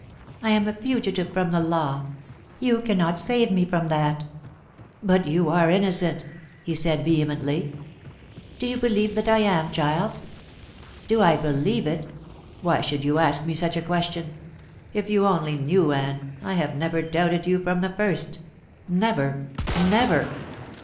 I am a fugitive from the law. You cannot save me from that." "But you are innocent," he said vehemently. "Do you believe that I am, Giles?" "Do I believe it? Why should you ask me such a question? If you only knew, Anne, I have never doubted you from the first. Never! never!"